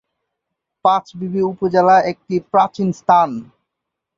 পাঁচবিবি উপজেলা একটি প্রাচীন স্থান।